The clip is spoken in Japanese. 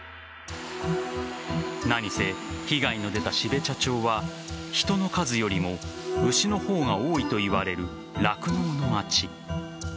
何せ、被害の出た標茶町は人の数よりも牛の方が多いといわれる酪農の町。